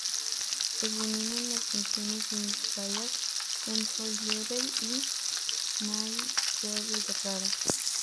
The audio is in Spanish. Se eliminan las funciones innecesarias: Enjoy Level y My Groove Radar.